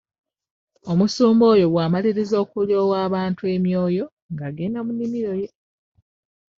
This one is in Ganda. Omusumba oyo bw'amaliriza okulyowa abantu emwoyo ng'agenda mu nnimiro ye.